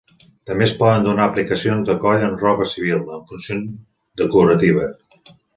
També es poden donar aplicacions de coll en roba civil, amb funció decorativa.